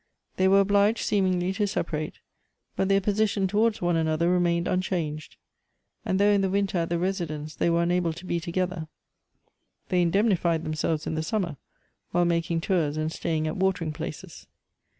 They were obliged seemingly to separate, but their position towards one another remained unchanged, and though in the winter at the Residence they were unable to be together, they Elective Afpinities. 81 indemnified themselves in the summer, while making tours and staying at watering places.